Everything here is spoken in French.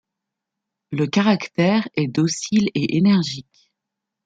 Le caractère est docile et énergique.